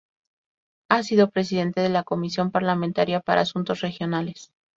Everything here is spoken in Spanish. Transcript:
Ha sido Presidente de la Comisión Parlamentaria para Asuntos Regionales.